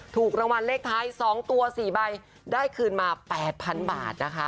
ถูกรางวัลเลขท้าย๒ตัว๔ใบได้คืนมา๘๐๐๐บาทนะคะ